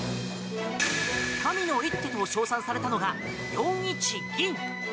神の手の一手と称賛されたのが４一銀。